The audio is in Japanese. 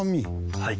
はい。